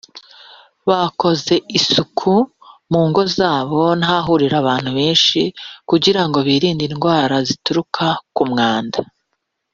bakoze isuku mu ngo zabo n’ ahahurira abantu benshi kugira ngo birinde indwara zituruka ku mwanda.